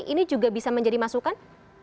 ini juga bisa menjadi masukan